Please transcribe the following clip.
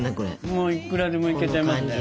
もういくらでもいけちゃいますね。